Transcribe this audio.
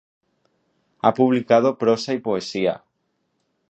Ha publicado prosa y poesía.